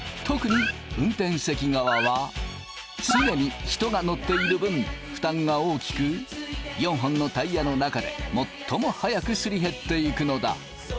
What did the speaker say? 特に運転席側は常に人が乗っている分負担が大きく４本のタイヤの中で最も早くすり減っていくのだ。